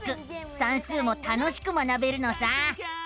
算数も楽しく学べるのさ！